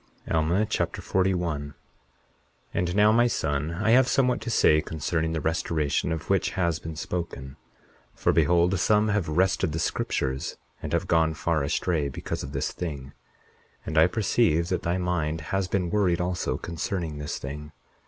Alma Chapter 41 41:1 And now, my son, I have somewhat to say concerning the restoration of which has been spoken; for behold, some have wrested the scriptures, and have gone far astray because of this thing. And I perceive that thy mind has been worried also concerning this thing.